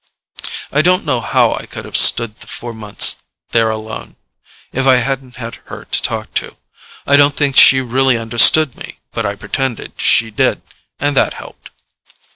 I don't know how I could have stood the four months there alone, if I hadn't her to talk to. I don't think she really understood me, but I pretended she did, and that helped.